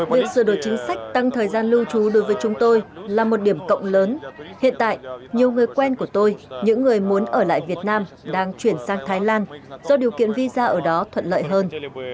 việc sửa đổi chính sách tăng thời gian lưu trú đối với chúng tôi là một điểm cộng lớn hiện tại nhiều người quen của tôi những người muốn ở lại việt nam đang chuyển sang thái lan do điều kiện visa ở đó thuận lợi hơn